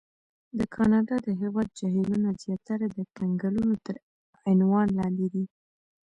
د کاناډا د هېواد جهیلونه زیاتره د کنګلونو تر عنوان لاندې دي.